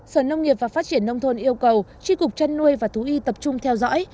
sở nông nghiệp và phát triển nông thôn yêu cầu tri cục chăn nuôi và thú y tập trung theo dõi